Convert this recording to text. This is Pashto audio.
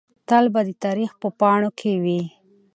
تل به د تاریخ په پاڼو کې وي.